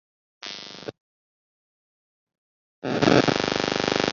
— Bejama so‘z, chiroyli yuzdan